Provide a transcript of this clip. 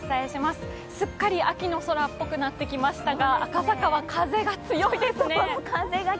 すっかり秋の空っぽくなってきましたが、赤坂は風が強いですね。